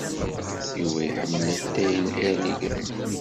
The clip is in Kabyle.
Yuba iḥemmel atay n Early Grey?